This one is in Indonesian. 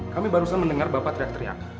kami barusan mendengar bapak teriak teriak